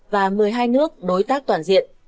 và một mươi hai nước đối tác toàn diện